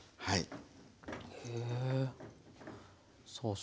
はい。